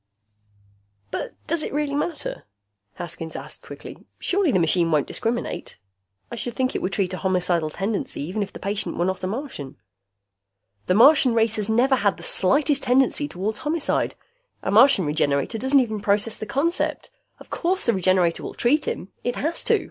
"But does it really matter?" Haskins asked quickly. "Surely the machine won't discriminate. I should think it would treat a homicidal tendency even if the patient were not a Martian." "The Martian race has never had the slightest tendency toward homicide. A Martian Regenerator doesn't even process the concept. Of course the Regenerator will treat him. It has to.